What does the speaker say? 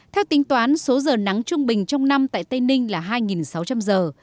theo tính toán số giờ nắng trung bình trong năm tại tây ninh là hai sáu trăm linh giờ